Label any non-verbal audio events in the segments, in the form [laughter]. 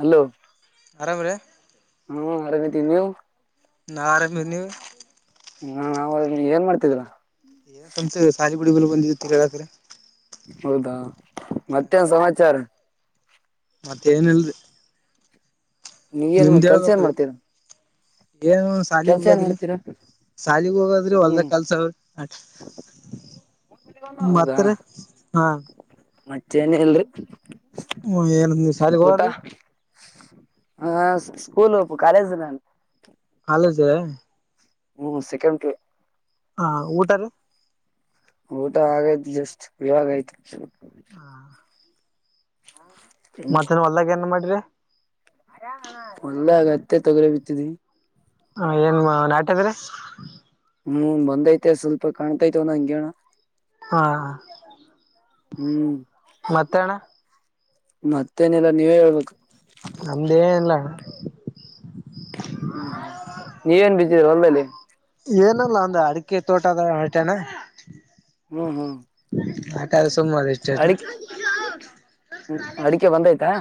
Hello ಆಾಮರೆ ಹ್ಮ ಆರಾಮಿದ್ದೀವಿ ನೀವು ನಾಾರಮನು ಹ್ಮ ನಾವವು ಏನ್ ಮಾಡ್ತಿದೀರಾ ಏನ ಸಂಸ ಸಾಲಿಗುಡಿಲ್ಲ ಬಂದಿತ್ತುತಿ ಕಡತ್ರ ಹೌದಾ ಮತ್ತೇನ್ ಸಮಾಚಾರ ಮತ್ತ ಏನಲ್ದು ನೀವ ನ್ ಮಾಡ ಕೆಲ್ಸ ಏನ್ ಮಾಡ್ತೀರ ಏನು ಸಾಲಿಗ್ ಹೋಗದ್ರಿ ಶಾಲಿಗ್ ಹೋಗದ್ರಿ ಹೊಲ್ದ ಹ್ಮ್ ಕಲ್ಸ ಅವ್ರ ಮಾತ್ರ ಹಾ ಚೇನ ಎಲ್ರಿ ಹ್ಮ ಏನ ನೀ ಶಾಲಿಗ ಹರಿ ಹ ಸ್ಕೂಲ್ ಒಪು ಕಾಲೇಜ್ ನನ್ ಹಲಜ ಹ್ಮ್ ಸಕೆಂಡ ಹಾ ಊಟ ರ ಊಟ ಆಗೈತ್ ಜಸ್ಟ್ ಇವಾಗ ಆಯ್ತು ಹ ಹ್ಮ ಮತ್ತನ್ ಹೊಲ್ದಾಗ ಏನ್ ಮಾಡಿ್ರಿ ಹೊಲ್ಲಗ ಅತ್ತೆ ತೊಗ್ರ ಬಿತ್ತಿದಿ ಹ ಏನ್ ನಾಟದ್ರಿ ಹ್ಮ್ ಬಂದೈತೆ ಸ್ವಲ್ಪ ಕಾಣ್ತೈತವ ನ ಹಂಗೇಣ ಹಾ ಮತ್ತೇಣ್ಣ ಮತ್ತೇನಲ್ಲ ನೀವೇ ಹೇಳ್ಬೇಕು ನಮ್ದೇ ಎಲ್ಲ ನೀವೇನ್ ಬಿದ್ದೀರ ಒಮ್ಮೇಲ್ಲಿ ಏನಲ್ಲ ಒಂದು ಅಡಿಕೆ ತೋಟದ ಹೊಟನ ಹ್ಮ್ ಹ್ಮ್ ಆ ಕಾಲಸ ಮಾಡಷ್ಟ ಅಡಿಕೆ ಹ್ಮ್ ಅಡಿಕೆ ಬಂದೈತಾ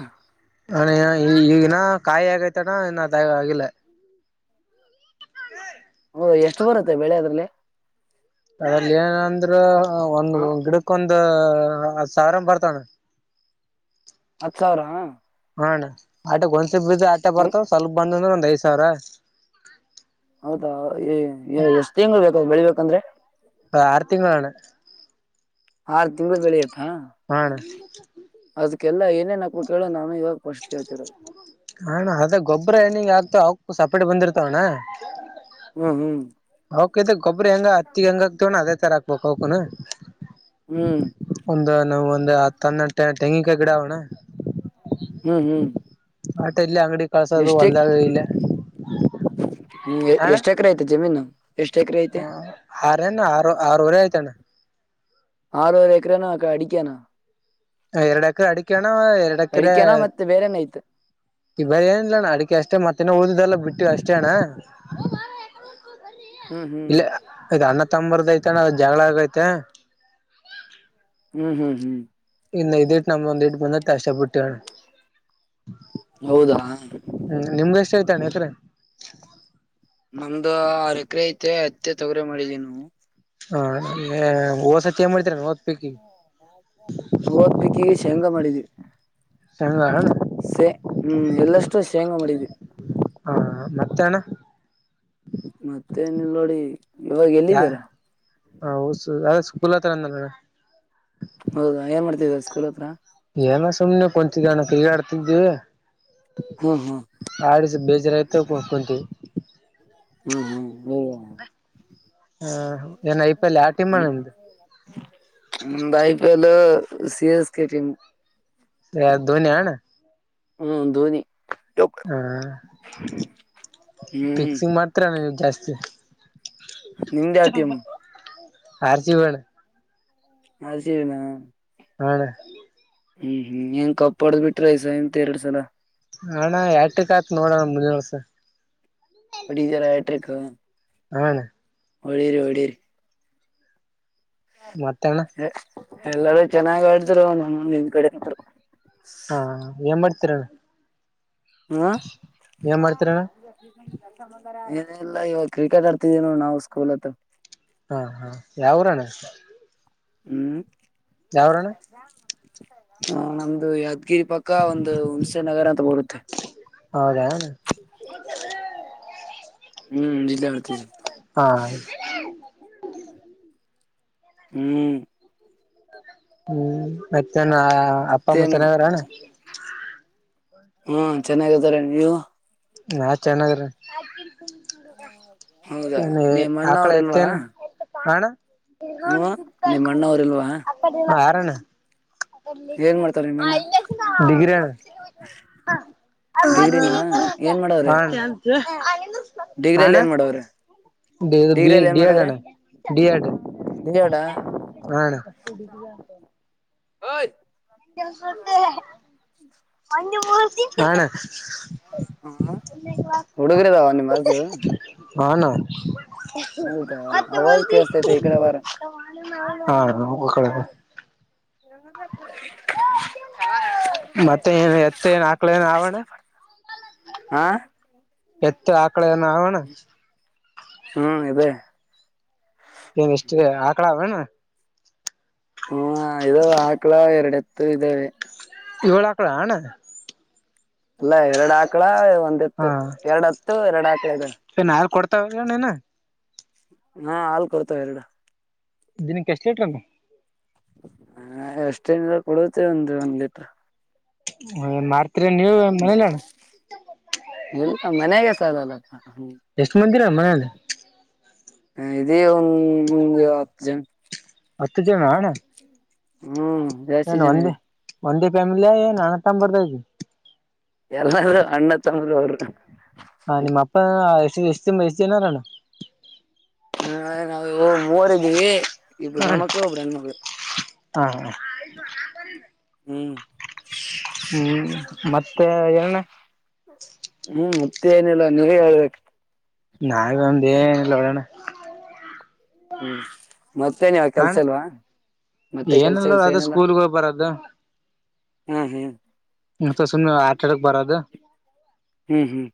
ಹಣ ಈ ಈಗಿನ ಕಾಯಿ ಆಗೈತಾನ ಇ ಆಗಿಲ್ಲ ಹ ಹ ಎಷ್ಟು ಬರುತ್ತೆ ಬೆಳೆದ್ರಲ್ಲಿ ಅದಲ್ಲಿ ಏನಂದ್ರರು ಒಂದು ಹ ಗಿಡಕೊಂದ ಒ ಸಾರಂ ಪರತಾನ ಹತ್ತು ಸಾವಿರ ಹಣ್ಣ ಆಟಗ್ ಒಂದ್ಸಿ ಬಜ್ ಆಟ ಒಂದ್ ಬರ್ತಾವ ಸ್ವಲ್ಪ ಬಂದ ಅಂದ್ರೆ ಒಂದ್ ಐದ್ ಸಾವಿರ ಹೌದಾ ಎಷ್ಟ್ ತಿಂಗಳು ಬೇಕ ಬೆಳಿಬೇಕಂದ್ರೆ ಆರು ತಿಂಣ ಆರು ತಿಂಗಳು ಬೆಳಿಯತ್ತಾ ಹ ಅಣ್ಣ ಅದಕ್ಕೆಲ್ಲ ಏನೇನ್ ಹಕ್ಬ ಕೇಳೋ ನಾನು ಇವಾಗ ಫಸ್ಟ್ ಕೇಳ್ತಿರೋದು. ಹಣ್ಣ ಅದ ಗೊಬ್ಬರ ಹೆಣ್ಣಿಂಗ ಆಗ್ತ ಅವಕ್ಕು ಸಪ್ರೇಟ್ ಬಂದಿರ್ತವಣ್ಣ. ಹ್ಮ್ ಹ್ಮ್. ಅವಕ ಗೊಬ್ಬರಿ ಹೆಂಗ ಅತ್ತಿಿಗೆ ಹೆಂಗ ಹಕ್ತವಣ್ಣ ಅದೇ ತರ ಹಾಕ್ಬೇಕಕ್ ಅವಕುನು. ಹ್ಮ್. ನಾವ ಒಂದು ಹತ್ತ ಹನ್ನ ತೆಂಗಿಕಾಯಿ ಗಿಡಾವಣ್ಣ. ಹ್ಮ್ ಹ್ಮ್. ಆಟ ಎಲ್ಲಿ ಅಂಗಡಿ ಕಳ್ಸೋದು ಹೊಲ್ದಾಗ ಇಲ್ಲ. ಹ್ಮ ಎಷ್ಟ್ ಎಕರೆ ಐತೆ ಜಮೀನು. ಎಷ್ಟ್ ಹ ಹಾರೇನ ಹ. ನರುರೆ ಏಕರನ ಅಡಿಕಾನ. ಎರಡಕ್ಕರ ಅಡಿಕಣ ಎರಡಕ್ಕರ. ಅಡಿಕೆನಾ ಮತ್ತೆ ಬೇರೆನ ಐತೆ ಈ ಬರ ಏನಿಲ್ಲಣ್ಣ ಅಡಿಕೆ ಅಷ್ಟೇ ಮತ್ತೇನ ಓದಿದೆಲ್ಲ ಬಿಟ್ಟಿವ ಅಷ್ಟೇ ಅಣ್ಣ. ಹ್ಮ್ ಹ್ಮ್ ಇಲ್ಲ ಈಗ ಅ್ಣ ತಂಬರ್ದಐತ. ನ ಜಗಳ ಆಗೈತೆ. ಹ್ಮ್ ಹ್ಮ್ ಹ್ಮ್. ಇನ್ನು ಇದ ಇಟ್ಟು ನಮ ಒಂದ ಇಟ್ಟು ಬಂದ ಕಷ್ಟಪಟ್ಟೇ. ಹೌದಾ ಹ್ಮ್ ನಿಮ್ಗ ಎಷ್ಟ ಹೇತಾನೆ ಹೆಸ್ರ. ನಮ್ದ ಆರ ಎಕರೆ ಐತೆ ಅತ್ತೆ ತೊಗರೆ ಮಾಡಿದೀ ನವು. ಹಾ ಓಸತಿ ಏನ್ ಮಾಡ್ತರ. ಓದ್ಬೇಕಿಕ ಈಗ ಶೇಂಗಾ ಮಾಡಿದ್ವಿ. ಸಮಿದ. ಸೆ ಹ್ಮ್ ಎಲ್ಲಷ್ಟು ಶೇಂಗಾ ಮಾಡಿದ್. ಹಾ ಮತ್ತಾನ. ಮತ್ತೆನಲ್ ನೋಡಿ ಇವಾಗ ಯಾ ಎಲ್ಲಿದ್ದೀರ. ಲ್ಲ ತರಂದಲ್ಲ. ಹೌದಾ ಏನ್ ಮಾಡ್ತಿದರ ಸ್ಕೂಲ್ ಹತ್ರ. ಏನ ಸುಮ್ನೆ ಕುಂತ ಜಣ ಕೀಗಾಡ್ತಿದ್ದೀವಿ. ಹ್ಮ್ ಹ್ಮ್ ಆಡಿ ಬೇಜಾರಾಯಿತತಿ. ಹ್ಮ್ ಹ್ಮ್ ಹೌ. ಹ ಏನ್ ಐ ಪಿ ಎಲ್ ಯಾವ ಟೀಮ್ ಅಣ್ಣ ಹ ಐ ಪಲ್ಲ. ಸಿ ಎಸ್ ಕೆಟಿಂಗ್. ಯಾರ ಧೋನಿ ಹಣ್ಣ. ಹ್ಮ್ ಧೋನಿ. ಹಾ ಹ್ಮ್ ಫಿಕ್ಸಿಂಗ್ ಮಾಡ್ತ್ರ ನೀ ಜಾಸ್ತಿ. ನಿಮ್ದೇ ಆತಮ್ಮ. ಆರ್ಚಿವಣ. ಅ ಸರಿನಾ. ಹಣ. ಹ್ಮ್ ಹ್ಮ್ ಹೆಂಗ ಕಪ್ಪಾಡ್ದ್ ಬಿಟ್ರ ಐಸ ಎಂತ ಎರಡ್ ಸಲ. ಹಣ ಯಟಕ್ ಆತ್ ನೋಡೋಣ ಮುಂದಿನಿವರ್ಸ. ಬಡ ಜರ ಟ್ರಕ್. ಹಣ. ಒಳ್ಳೀರಿ ಒಳ್ಳೇರಿ. ಮತ್ತೆಣ್ಣ. ಎಲ್ಲರೂ ಚೆನ್ನಾಗ್ ಆಡಿದ್ರು ನಾನ ನಿಂದ ಕಡೆ ಅರು. ಹಾ ಏನ್ ಮಾಡ್ತೀರಣ. ಹಾ. ಮಾಡ್ತೀರಣ್ಣ ಏನಲ್ಲ ಇವಾಗ ಕ್ರಿಕೆಟ್ ಆರ್ತಿದೀನು ನಾವ್ ಸ್ಕೂಲ್ ಹತ್. ಹಾ ಹಾ ಯಾವರಣ್ಣ. ಹ್ಮ ಯಾವ್ರಣ್ಣ ಹ ನಮ್ದು ಯಾದ್ಗಿರಿ ಪಕ್ಕ ಒಂದು ಹುಂಸೆ ನಗರ ಅಂತ ಬರುತ್ತೆ ಹೌದಣ ಹ್ಮ್ ಜಿಲ್ಲೆ ಮಾಡತನಿ ಹಾ ಹ್ಮ್ ಹ್ಮ್ ಮತ್ತೆಾನ ಅಪ್ಪ ಅಮ್ಮ ಮತ್ತೇನು ಚೆನ್ನಾಗಾರಣ್ಣ ಹ್ಮ ಚೆನ್ನಾಗದಾರ ನೀವು ನಾ ಚೆನ್ನಾಗ್ರೀ ಹೌದಾ ನ ನಿಮ್ ಅಣ್ಣ ಆಕಳ ಅವ್ರ ಇಲ್ವಾ ಎತ್ತೇನ್ ಹಣ ಹ ಹ್ಮ ಸಿಗ್ತ ನಿಮ್ ಅಣ್ಣ ಅವ್ರ ಇಲ್ವಾ ಅ ಕಾರ ಏನ್ ಮಾಡ್ತಾರ ನಿಮ್ ಅಣ್ಣ ಗ್ರಿ ಡಿಗ್ರಿನ ಹ ಡಿಗ್ರಿ ಅಲ್ಲಿ ಏನ್ ಮಾಡವ್ರೆ ಡಿಗ್ರಿಯಲ್ಲಿ ಏನ್ ಡಿ ಮಾಡವ್ರೆ ಎಡ್ಣ ಡಿಎಡ್ ಬಿಜಾಡ ಹ ಕುಡಿದತ ಹ ಅ ಮೂತಿ ಹ ಹುಡುಗರದ ಅವ ನೀ ಮಾಡದು ಹಾ ನ ಅವಾಜ್ ಹಾಕ್ಕಳ ಕೇಳಸ್ತೈತೆ ಈ ಕಡೆ ಬಾರ ಮತ್ತೆ ಏನ್ ಎತ್ತ ಏನ್ ಆಕಳ ಏನ್ ಅವಣ್ಣ [inaudible] ಹಾ ಎತ್ತತ್ತು ಆಕಳನ ಅವಣ ಹ್ಮ್ ಇದೆ ಏನ್ ಇಷ್ಟೇ ಆಕಳ ಅವಣ ಹ್ಮ ಇದ ಆಾಕ್ಲ ಎರಡ್ತ್ತು ಇದವೆ ಇವಳ ಕಡ ಹಣ ಅಲ್ಲ ಎರಡ್ ಆಕ್ಳ ಹಾ ಒಂದಿತ್ತು ಎರಡು ಹತ್ತು ಎರಡ್ ಆಕಳ ಇಾರೆ ಣ ನ ಹಾ ಹಾಲ್ ಕೊಡ್ತವೆ ಎರಡು ದಿನ ಕೆಷ್ಟಲೇಟ್ನು ಹ ಎಷ್ಟೇನ್ ಕೊಡುತ್ತೇ ಒಂದ ಒಂದ್ ಲೀಟ್ರ ಹ ಮತ್ರಿ ನೀವು ಮಲ್ಲಣ ಇಲ್ಲ ಮನೆಗೆ ಸಾಲಲ್ಲ ಎಷ್ಟು ಮಂದಿರ ಮನೆಯಲ್ಲಿ ಹ ಇದೇಂದ್ಂದಗೆ ಹತ್ತು ಜನ ಹತ್ತು ಜನ ಹ್ಮ್, ಜಾಸ್ತಿ ಏನ್ ಒಂದೇ ಜನರಿದಿವಿ- ಒಂದೇ ಫ್ಯಾಮಿಲಿಯ ಎನ ಅಣ್ಣತ್ತಂಬರ್ ಎಲ್ಲಾರೂ ಅಣ್ಣ ತಮ್ಮಂದಿರುಅವರು ಹ ನಿಮ್ಮ ಅಪ್ಪ ಎ ಮಸನಾರಣ [unintelligible] ಹ್ಮ, ನಾವುಮೂವರ್ ಇದೀವಿ ಇಬ್ಬರು ಗಂಡಮಕ್ಕಳು ಇಬ್ಬರು ಹೆಣ್ಮಕ್ಕಳು. ಹಾ [inaudible] ಹ್ಮ್ ಹ್ಮ್, ಮತ್ತೆ ಎಳಣ್ಣ. ಮತ್ತ ಏನಿಲ್ಲ ನೀವೇ ಹೇಳ್ಬೇಕು. ನಾವ ಒಮ್ದ ಏನಲ್ಲ ಒಡೋಣ [unintelligible] ಹ್ಮ್, ಮತ್ತೇನು ಕೆಲ್ಸ ಹಣ ಅಲ್ವಾ. ಏನಲ್ಲ ನೋಡು ಅದೇ ಸ್ಕೂಲ್ಗ ಹೋಗ್ ಬರದು. ಹ್ಮ್, ಹ್ಮ್ ಮತ್ತ ಸುಮ್ಮ್ನೆ ಆಟ ಆಡಕ್ ಬರದು. ಹ್ಮ್, ಹ್ಮ್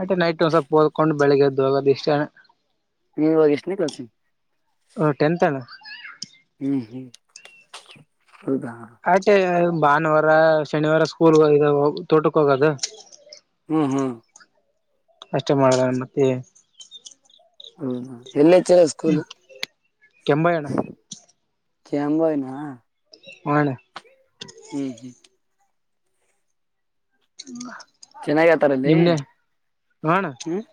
ಅಟೆನೈಟ್ ಒಂದ್ ಸ್ವಲ್ಪ ಓದ್ಕೊಂಡು ಬೆಳಿಗ್ಗೆ ಎದ್ದು ಹೋಗೋದು ಇಷ್ಟೇ. ನೀವ ಇವಾಗ ಎಷ್ಟನೇ ಕ್ಲಾಸ್ ಓ ಟೆಂತ್ ಅಣ್ಣ ಹ್ಮ್ ಹ್ಮ್ದ [inaudible] ಆಟೆ ಭಾನುವಾರ, ಶನಿವಾರ ಸ್ಕೂಲ್ ತೋಟಕ್ ಹೋಗೋದು. ಹ್ಮ್, ಹ್ಮ್ ಅಷ್ಟೇ ಮಾಡದ ಮತ್ತೆ ಹ್ಮ, ಎಲ್ಲಿ ಅಚ್ಚರಸ್ಕೂಲ್ ಕೆಂಬಯ್ಯಣ್ಣ ಕೆಂಭಾವಿ ನಾ ಹಣ [unintelligible] ಹವಾಾ ಚೆನ್ನಾಗಿ ಆತಾರ [inaudible] ಅಲ್ಲಿ ನಿಮ್ದೇನ್ ಆ ಅಣ್ಣ,,, ಹ್ಮ್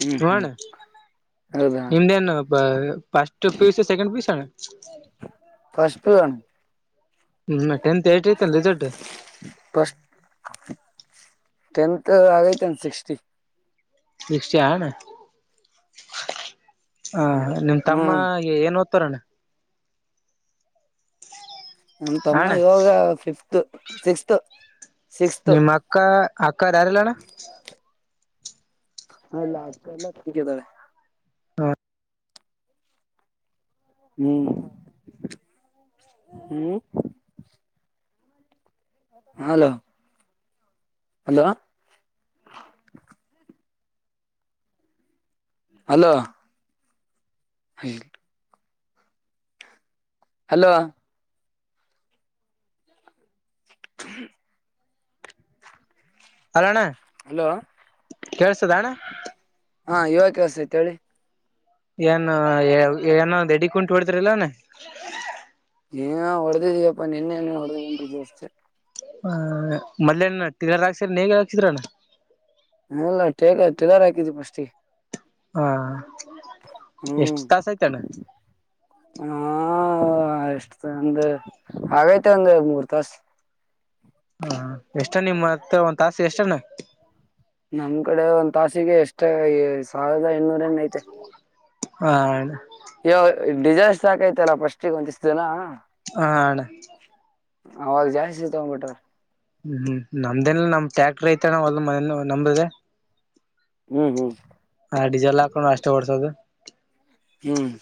ಹ್ಮ್ ಹ್ಮ್ ಹೌದಾ - ನಿಮ್ದೇನು ಫಸ್ಟ್ ಪ್ಯೂಸ್, ಸೆಕೆಂಡ್ ಪ್ಯೂಸ್ಣ ಸಗಣ [unintelligible] ಹ್ಮ, ಟೆಂತ್ ಏಟ್ ಐತಲ್ಲ ರಿಸಲ್ಟ್ ಟೆಂತಆಗೈತಿ ಸಿಕ್ಸ್ಟಿ. ಸಿಕ್ಸ್ಟಿ ಅಣ್ಣ. ಹ ನಿಮ್ ಹ್ಮ್ ತಮ್ಮಏನ ತ್ತಣ [unintelligible] ನಮ್ಮ ತಮ್ಮ ಅಣ್ಣ ಇವಾಗ ಫಿಫತ್, ಸಿಕ್ಸ್ತ್- ಸಿಕ್ಸ್ತ್ ನಿಮ್ಮ ಅಕ್ಕ, ಅಕ್ಕ ರಯಾರಿಲ್ಲಣ್ಣ. ಹಾಲ್ಲಾತ ಎಲ್ಲ ಗ ತ [unintelligible] ಹಾ [inaudible] ಹ್ಮ್, ಹ್ಮ್ ಹಲೋ, ಹಲೋ,, ಅಲೋ, ಹೈಲ್ [inaudible] ಹಲೋ, ಹ [unintelligible] ಅಲ್ಲಣ್ಣ ಹಲೋ, ಕೇಳ್ಸದ ಅಣ್ಣ ಹಾ ಇವವ ಕೆಳ್ಸತೆ ಹೇಳಿ. ಏನ್, ಏನೋ ಎಡಿ ಕುಂಟಿ ಹೊಡ್ತರಿಲ್ಲಾಣ್ಣ ನೀ ಹೊಡೆದಿದೀಯಪ್ಪಾ ನಿನ್ನೆ ಹೊಡೆದ ಅಷ್ಟೆ., ಹ ಮಯನ ಹಾಕ್ಸರ ನೇಗ ಹಾಕ್ಸಿದ್ರಣ [unintelligible] ಇಲ್ಲ ಟೇಗ ಟಿಲರ್ ಹಾಕಿದ್ವಿ ಫಸ್ಟಿಗೆ. ಹಾ, ಎಷ್ಟ ಹ್ಮ್ ತಾಸ ಯ್ತಣ್ಣ. ಹಾ, ಎಷ್ಟು ಒಂದ ಹಾಗೈತೆ ಒಂದ ಮೂರ್ ತಾಸ. ಹ ಎಷ್ಟಣ್ಣ ನಿಮ್ಮ ಮತ್ತ ಒಂದ್ ತಾಸ ಎಷ್ಟ್ಣ ನಮ್ ಕಡೆ ಒಂದ್ ತಾಸಿಗೆ ಎಷ್ಟ ಸಾವಿರದ ಎನೂರ್ಣ ಐತೆ ಹಾ ಅಯ್ಯ ಡಿಸೈಸ್ ಸಾಕೈತಲ್ಲ ಪಫಸ್ಟ್ಗೆ ಒಂದ್ಷ್ಟ್ ಜನ ಹಣ ಅವಾಗ ಜಾಸ್ತಿ ತಗೊಂಡ್ಬಿಟ್ರ ಹ್ಮ್ ಹ್ಮ್ ನಮ್ದೆನ ನಮ್ ಟ್ಯಾಕ್ಟ್ರ ಐತೆ ನಾವ್ ಅ ಮನ ನಂಬ್ರದೆ ಹ್ಮ್ ಹ್ಮ್ ಹಾ ಡಿಸೆಲ್ ಹಾಕೊಂಡು ಅಷ್ಟ ಒಡ್ಸೋದು ಹ್ಮ್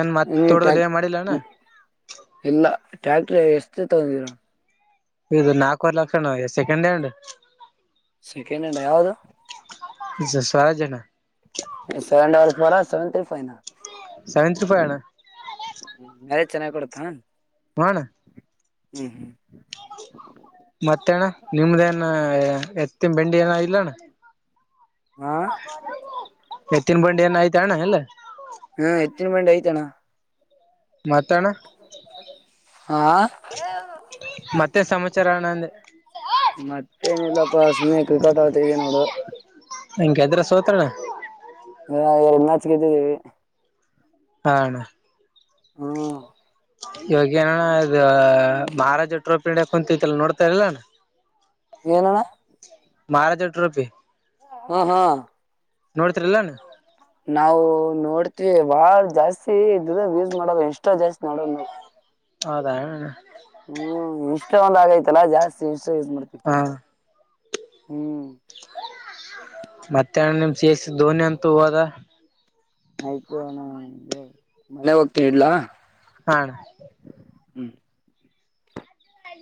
ಏನ್ ಮತ್ ಇ ತೋಟದಲ್ಲಿ ಏನ್ ಮಾಡಿಲ್ಲ ಅಣ್ಣ ಎಲ್ಲ ಟ್ಯಾಕ್ಟ್ರ ಎಷ್ಟೇ ತಗೊಂಡರ ಇದು ನಾಲ್ಕವರೆ ಲಕ್ಷಣ ಸೆಕೆಂಡ್ ಹ್ಯಾಂಡ್ ನಡ ಯಾವ್ದ ಸ್ವರ ಜನಾ ಸೆವೆನ್ ರ ಸೆವೆನ್ ಫೈನಾ ಸೆವೆಂ ರಿಫೈವಣ ಮ್ಯಾರೇಜ್ ಚೆನ್ನಾಗಿ ಕೊಡುತ್ತಾ ಹಣ ಹ್ಮ್ ಹ್ಮ್ ಮತ್ತೇಣ್ಣ ನಿಮ್ದೇನ ಎತ್ತಿನ ಬೆಂಡಿ ಏನ ಇಲ್ಲಣ್ಣ ಹಾ ಮತ್ತನ್ ಬಂಡಿಯನ್ ಐ್ತ ಅಣ್ಣ ಎಲ್ಲ ಹ್ಮ ಎತ್ತಿನ ಮಂಡೆ ಐ್ತನ ಮಾತಣ್ಣ ಹಾ ಮತ್ತೆ ಸಮಾಚಾರಣಂದೆ ಏನಿಲ್ಲಪ್ಪ ಸಮ ಕ್ರಿಕಾಟ್ ಆಗತ ಇದೆ ನೋಡು ಹಗೆದ್ರ ಸೋತ್ರನ ಹಾ ಎರಡು ನಾಚಕ ಇದ್ದಿದ್ದೀವಿ ಹಣ ಹ್ಮ್ ಯೋಗ್ಯನಣ್ಣ ಅದು ಮಹಾರಾಜ ಟ್ರೋಪಿ ನಡ ಕುಂತತಿಲ್ಲ ನೋಡ್ತಾರ್ಲಲ್ಲಣ ಏನಣ್ಣ ಮಹಾರಾಜ ಟ್ರಪಿ ಹ್ಮ ಹಾ ನೋಡ್ತಿರಿಲ್ಲಾನ ನಾವು ನೋಡ್ತಿವಿ ಬಾ ಜಾಸ್ತಿ ಇದ ಯೂಸ್ ಮಾಡದ ಇಷ್ಟೋ ಜಾಸ್ತಿ ನೋಡೋದು ನವು ಹೌದಾ ಹ್ಮ್ ಇಷ್ಟ ಒಂದ ಆಗೈತಲ್ಲಾ ಜಾಸ್ತಿ ಇಷ್ಟ ಯೂಸ್ ಮಾಡ್ತವಿ ಹಾ ಹ್ಮ್ ಮತ್ತೆಣ್ಣ ನಿಮ್ ಸಸ್ ಧೋನಿ ಅಂತೂ ಹೋದ ಆಯ್ತುಣ ಮಳೆ ಹೋಗ್ತಾ ಇಲಾ ಹಾ ಅಣ್ಣ ಹ್ಮ್